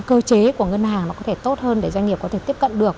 cơ chế của ngân hàng nó có thể tốt hơn để doanh nghiệp có thể tiếp cận được